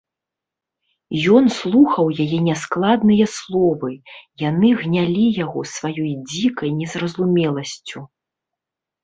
Ён слухаў яе няскладныя словы, яны гнялі яго сваёй дзікай незразумеласцю.